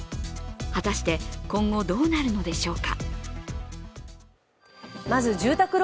果たして、今後どうなるのでしょうか。